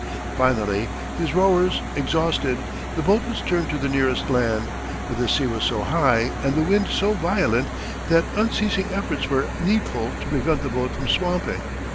Finally, his rowers exhausted, the boat was turned to the nearest land, but the sea was so high and the wind so violent that unceasing efforts were needful to prevent the boat from swamping.